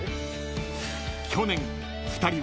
［去年２人は］